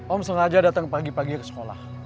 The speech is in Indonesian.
om sengaja datang pagi pagi ke sekolah